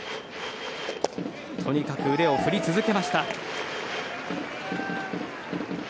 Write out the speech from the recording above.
とにかく腕を振り続けました。